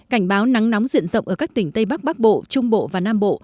cảnh báo nắng nóng diện rộng ở các tỉnh tây bắc bắc bộ trung bộ và nam bộ